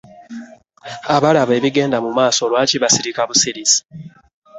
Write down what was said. Abalaba ebigenda mu maaso lwaki basirika busirisi?